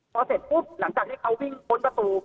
พอเสร็จปุ๊บหลังจากที่เขาวิ่งพ้นประตู